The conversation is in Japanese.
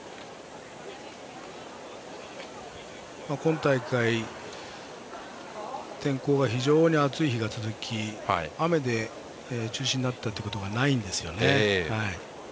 今大会天候が非常に暑い日が続き雨で中止になったということがないんですよね。